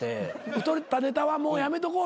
太ったネタはもうやめとこうと。